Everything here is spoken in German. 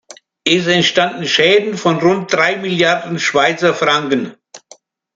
Es entstanden Schäden von rund drei Milliarden Schweizer Franken.